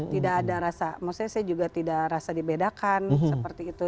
tidak ada rasa maksudnya saya juga tidak rasa dibedakan seperti itu